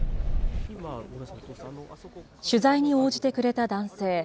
取材に応じてくれた男性。